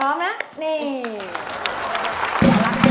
รับมาเร็ว